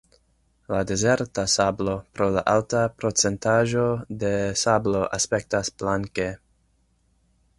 La dezerta sablo pro la alta procentaĵo de sablo aspektas blanke.